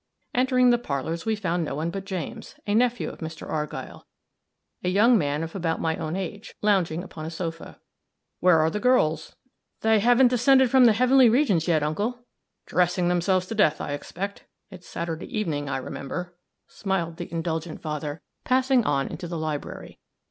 Entering the parlors, we found no one but James, a nephew of Mr. Argyll, a young man of about my own age, lounging upon a sofa. "Where are the girls?" "They haven't descended from the heavenly regions yet, uncle." "Dressing themselves to death, I expect it's Saturday evening, I remember," smiled the indulgent father, passing on into the library.